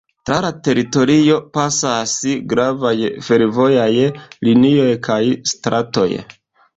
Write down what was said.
Tra la teritorio pasas gravaj fervojaj linioj kaj stratoj.